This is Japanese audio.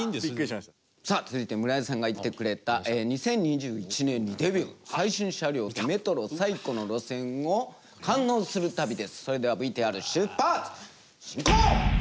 続いて村井さんが行ってくれた２０２１年にデビュー最新車両とメトロ最古の路線を堪能する旅です。